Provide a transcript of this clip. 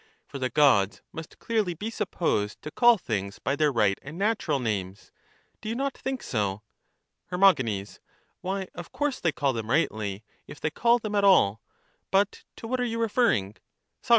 For the Gods must clearly be sup posed to call things by their right and natural names ; do you not think so ? Her. Why, of course they call them rightly, if they call them at all. But to what are you referring? Soc.